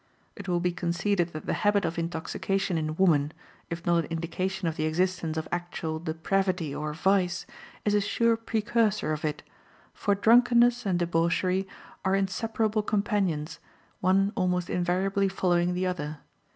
It will be conceded that the habit of intoxication in woman, if not an indication of the existence of actual depravity or vice, is a sure precursor of it, for drunkenness and debauchery are inseparable companions, one almost invariably following the other.